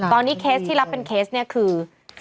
ตอนนี้เคสที่รับเป็นเคสนี้คือ